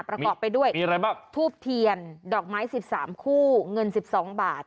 ประกอบไปด้วยมีอะไรบ้างทูบเทียนดอกไม้๑๓คู่เงิน๑๒บาท